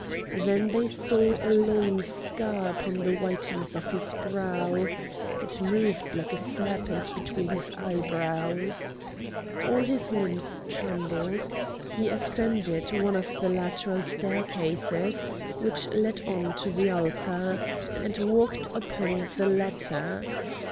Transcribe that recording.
Then they saw a long scar upon the whiteness of his brow; it moved like a serpent between his eyebrows; all his limbs trembled. He ascended one of the lateral staircases which led on to the altar, and walked upon the latter!